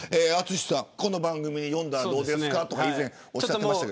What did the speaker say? この番組に呼んだらどうですかと以前おっしゃっていましたが。